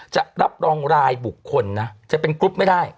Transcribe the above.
จะรับรองรายบุคคลนะจะเป็นกรุ๊ปไม่ได้